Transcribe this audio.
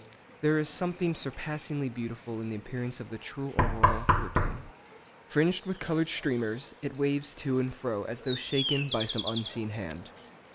There is something surpassingly beautiful in the appearance of the true 'auroral curtain.' Fringed with coloured streamers, it waves to and fro as though shaken by some unseen hand.